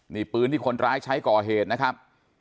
นี่ปืนที่คนร้ายใช้ก่อเหตุนะครับ